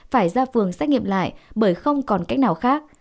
phải ra phường xét nghiệm lại bởi không còn cách nào khác